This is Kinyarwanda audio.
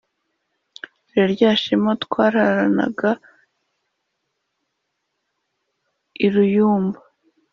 dore rya shema twararanaga i ruyumba